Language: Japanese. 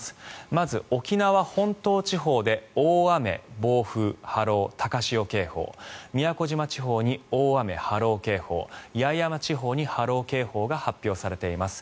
まず、沖縄本島地方で大雨、暴風、波浪、高潮警報宮古島地方に大雨、波浪警報八重山地方に波浪警報が発表されています。